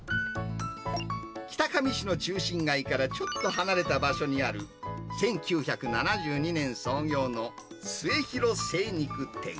北上市の中心街からちょっと離れた場所にある、１９７２年創業のすえひろ精肉店。